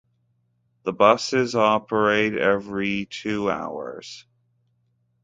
The buses operate every two hours.